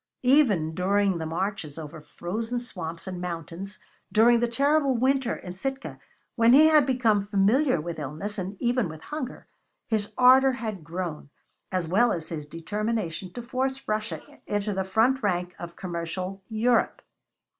Even during the marches over frozen swamps and mountains, during the terrible winter in Sitka when he had become familiar with illness and even with hunger, his ardor had grown, as well as his determination to force Russia into the front rank of Commercial Europe.